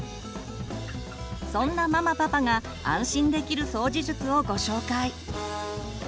そんなママパパが安心できる掃除術をご紹介。